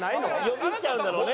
よぎっちゃうんだろうね。